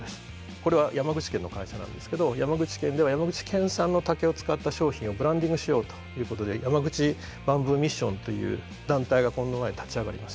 これは山口県の会社なんですけど山口県では山口県産の竹を使った商品をブランディングしようということでＹＡＭＡＧＵＣＨＩＢａｍｂｏｏＭｉｓｓｉｏｎという団体がこの前立ち上がりました。